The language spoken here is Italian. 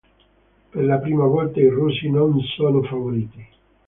Per la prima volta i russi non sono favoriti.